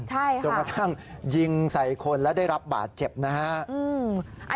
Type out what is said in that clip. จนกระทั่งยิงใส่คนแล้วได้รับบาดเจ็บนะฮะ